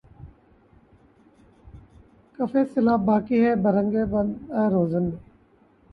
کفِ سیلاب باقی ہے‘ برنگِ پنبہ‘ روزن میں